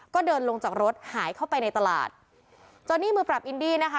ก็เดินลงจากรถหายเข้าไปในตลาดโจนี่มือปรับอินดี้นะคะ